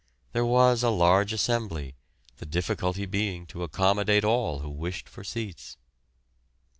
There was a large assembly, the difficulty being to accommodate all who wished for seats.